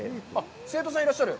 生徒さんいらっしゃる？